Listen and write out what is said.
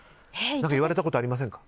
言われたことありませんか？